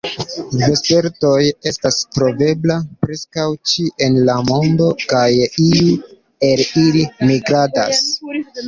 Vespertoj estas troveblaj preskaŭ ĉie en la mondo, kaj iuj el ili migradas.